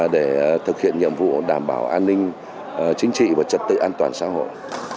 để thực hiện nhiệm vụ đảm bảo an ninh chính trị và trật tự an toàn xã hội